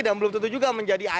dan belum tentu juga menjadi asn